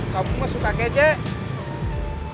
kamu suka kejek